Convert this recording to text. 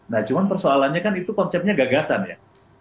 nah cuman persoalannya kan itu konsepnya gagasan ya